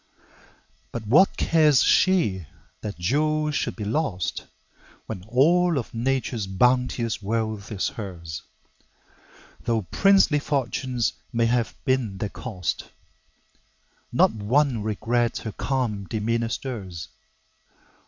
But what cares she that jewels should be lost, When all of Nature's bounteous wealth is hers? Though princely fortunes may have been their cost, Not one regret her calm demeanor stirs.